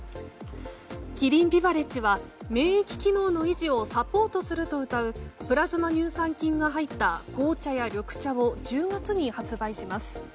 キリンビバレッジは免疫機能の維持をサポートするとうたうプラズマ乳酸菌が入った紅茶や緑茶を１０月に発売します。